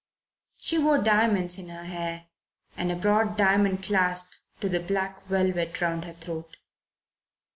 She wore diamonds in her hair and a broad diamond clasp to the black velvet round her throat.